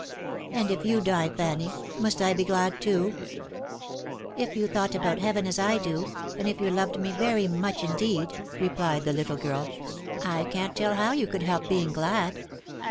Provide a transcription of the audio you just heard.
" And if you die, Fanny, must I be glad too ?"" If you thought about Heaven as I do, and if you loved me very much indeed," replied the little girl, " I can't tell how you could help being glad."